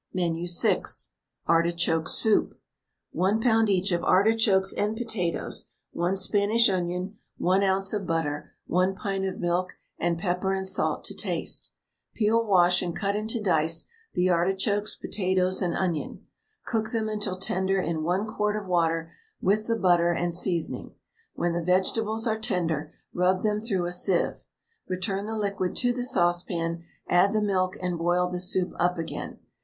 MENU VI. ARTICHOKE SOUP. 1 lb. each of artichokes and potatoes, 1 Spanish onion, 1 oz. of butter, 1 pint of milk, and pepper and salt to taste. Peel, wash, and cut into dice the artichokes, potatoes, and onion. Cook them until tender in 1 quart of water with the butter and seasoning. When the vegetables are tender rub them through a sieve. Return the liquid to the saucepan, add the milk and boil the soup up again.